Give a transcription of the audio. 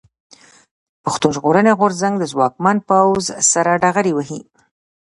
پښتون ژغورني غورځنګ د ځواکمن پوځ سره ډغرې وهي.